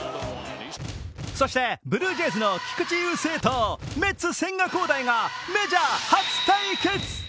そしてブルージェイズの菊池雄星とメッツ・千賀滉大がメジャー初対決。